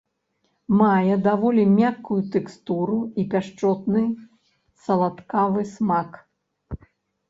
Мае даволі мяккую тэкстуру і пяшчотны саладкавы смак.